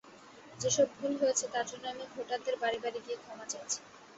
যেসব ভুল হয়েছে, তার জন্য আমি ভোটারদের বাড়ি বাড়ি গিয়ে ক্ষমা চাইছি।